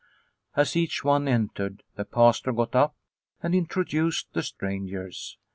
As each one entered the Pastor got up and in troduced the strangers.